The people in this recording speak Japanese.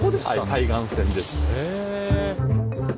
海岸線です。